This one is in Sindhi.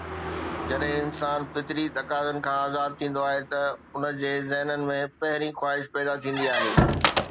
جڏهن انسان فطري تقاضائن کان آزاد ٿيندو آهي ته ان جي ذهن ۾ پهرين خواهش پيدا ٿيندي آهي.